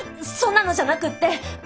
そんなのじゃなくって。